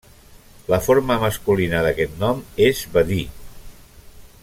La forma masculina d'aquest nom és Badí.